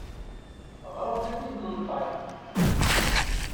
Ɣret-d i tmenḍayt.